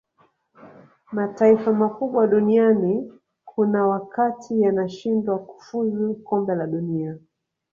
mataifa makubwa duniani kuna wakati yanashindwa kufuzu kombe la dunia